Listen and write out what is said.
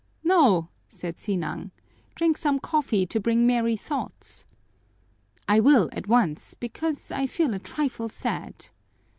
"No," said Sinang, "drink some coffee to bring merry thoughts." "I will, at once, because I feel a trifle sad."